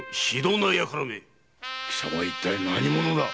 貴様一体何者だ！？